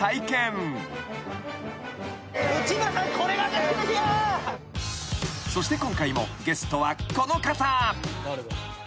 ［そして今回もゲストはこの方］